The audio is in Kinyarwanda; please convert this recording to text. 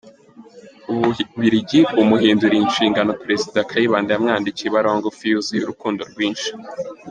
U Bubiligi bumuhinduriye inshingano, Perezida Kayibanda yamwandikiye ibaruwa ngufi yuzuye urukundo rwinshi:.